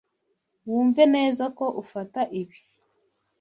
Wumve neza ko ufata ibi.